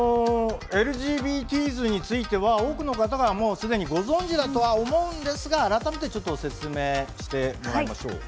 まあＬＧＢＴｓについては多くの方がもう既にご存じだとは思うんですが改めてちょっと説明してもらいましょう。